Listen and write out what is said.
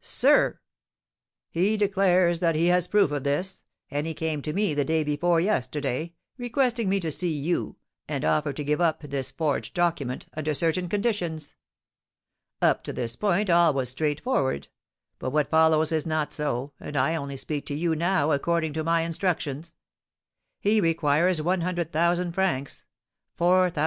"Sir!" "He declares that he has proof of this; and he came to me the day before yesterday, requesting me to see you, and offer to give up this forged document, under certain conditions. Up to this point all was straightforward, but what follows is not so, and I only speak to you now according to my instructions. He requires one hundred thousand francs (4,000_l.